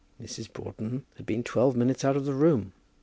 Mrs. Broughton had been twelve minutes out of the room.